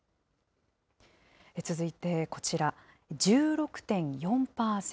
続いてこちら、１６．４％。